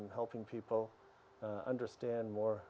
jika kita menjaga kehidupan yang menarik